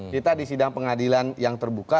kita di sidang pengadilan yang terbuka